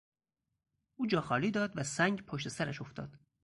او جا خالی داد و سنگ پشت سرش افتاد.